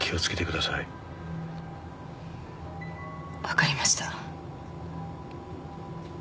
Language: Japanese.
分かりました